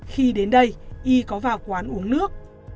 khi đến đây y có vào quán uống nước